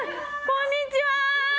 こんにちは！